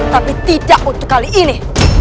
tapi tidak untuk kali ini